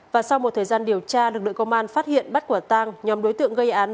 và sau một thời gian điều tra lực lượng công an phát hiện bắt quả tang nhóm đối tượng gây án